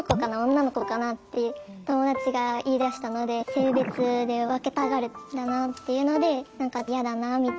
女の子かな？」って友達が言いだしたので性別で分けたがるんだなっていうので何かやだなみたいなところはあります。